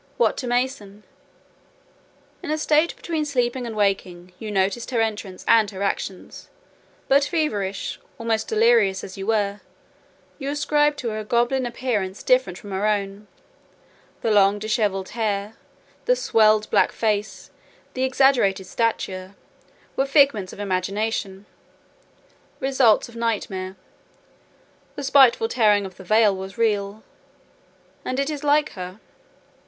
what to Mason? In a state between sleeping and waking, you noticed her entrance and her actions; but feverish, almost delirious as you were, you ascribed to her a goblin appearance different from her own: the long dishevelled hair, the swelled black face, the exaggerated stature, were figments of imagination; results of nightmare: the spiteful tearing of the veil was real: and it is like her.